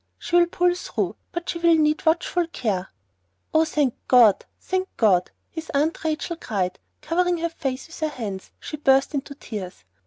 She will pull through, but she will need watchful care." "Oh, thank God! Thank God!" his Aunt Rachel cried, and covering her face with her hands, she burst into tears.